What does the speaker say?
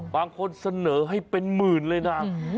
บางคนเสนอให้เป็นหมื่นเลยนะ